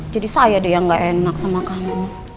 jadi saya deh yang gak enak sama kamu